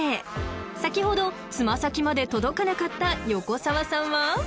［先ほど爪先まで届かなかった横澤さんは？］いきます。